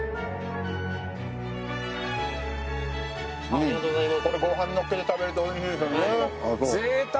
ありがとうございます。